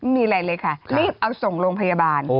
นี่อะไรเลยคะนี้ส่งลงพยาบาล